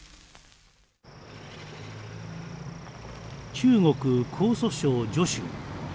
中国・江蘇省徐州。